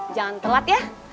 jangan telat ya